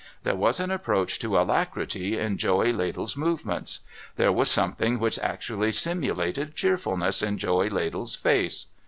There was an approach to alacrity in Joey Ladle's movements ! There was something which actually simulated cheerfulness in Joey Ladle's face